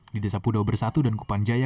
di desa pudau bersatu dan kupan jaya